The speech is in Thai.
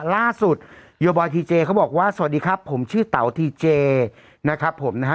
โยบอยทีเจเขาบอกว่าสวัสดีครับผมชื่อเต๋าทีเจนะครับผมนะฮะ